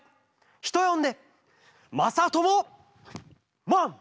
ひとよんでまさともマン！